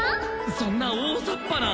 そんな大ざっぱな。